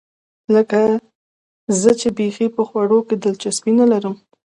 لکه زه چې بیخي په خوړو کې دلچسپي نه لرم.